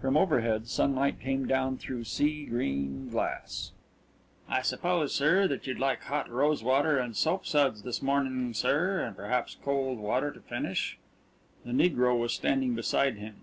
From overhead, sunlight came down through sea green glass. "I suppose, sir, that you'd like hot rosewater and soapsuds this morning, sir and perhaps cold salt water to finish." The negro was standing beside him.